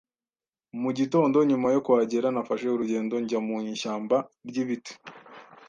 Mu gitondo nyuma yo kuhagera, nafashe urugendo njya mu ishyamba ryibiti